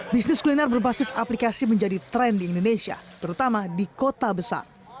bisnis kuliner berbasis aplikasi menjadi tren di indonesia terutama di kota besar